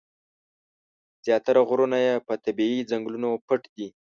زیاتره غرونه یې په طبیعي ځنګلونو پټ دي.